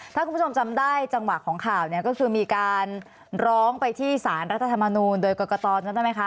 ถ้าคุณผู้ชมจำได้จังหวะของข่าวเนี่ยก็คือมีการร้องไปที่สารรัฐธรรมนูลโดยกรกตใช่ไหมคะ